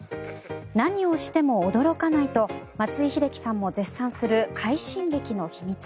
何をしても驚かないと松井秀喜さんも絶賛する快進撃の秘密。